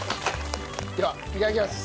ではいただきます！